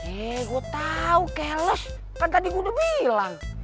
eh gue tahu keles kan tadi gue udah bilang